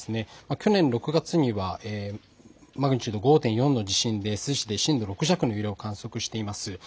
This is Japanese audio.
去年６月にはマグニチュード５．４の地震、震度６弱の地震を観測しています。